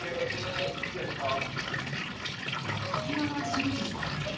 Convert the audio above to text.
滝川俊二さん。